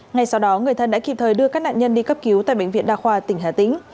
ngay sau đó người thân đã kịp thời đưa các nạn nhân đi cấp cứu tại bệnh viện đa khoa tỉnh hà tĩnh